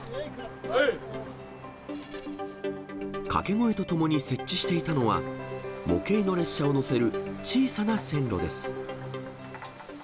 掛け声とともに設置していたのは、模型の列車を載せる小さな線路です。